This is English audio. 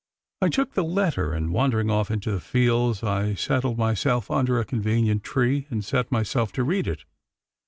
I took the letter, and wandering off into the fields, I settled myself under a convenient tree, and set myself to read it.